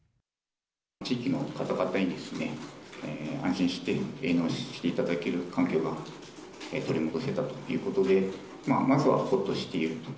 地域の方々に安心して営農していただける環境が取り戻せたということで、まずはほっとしていると。